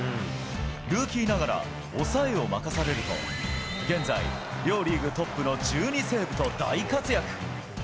ルーキーながら、抑えを任されると、現在、両リーグトップの１２セーブと、大活躍。